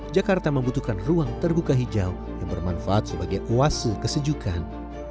jakarta membutuhkan ruang terbuka hijau yang bermanfaat sebagai oase kesejukan